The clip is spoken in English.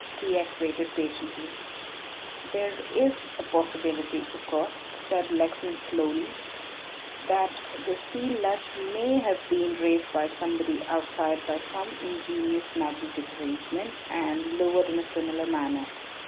T. X. waited patiently. "There is a possibility, of course," said Lexman slowly, "that the steel latch may have been raised by somebody outside by some ingenious magnetic arrangement and lowered in a similar manner."